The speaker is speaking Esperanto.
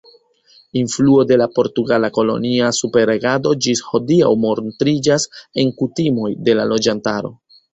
Influo de la portugala kolonia superregado ĝis hodiaŭ montriĝas en kutimoj de la loĝantaro.